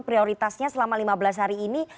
prioritasnya selama lima belas hari ini